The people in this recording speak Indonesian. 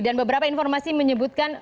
dan beberapa informasi menyebutkan